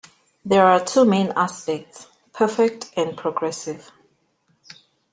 There are two main aspects: perfect and progressive.